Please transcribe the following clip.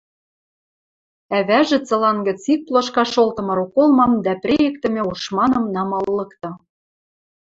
Ӓвӓжӹ цылан гӹц ик плошка шолтымы роколмам дӓ прейӹктӹмӹ ушманым намал лыкты.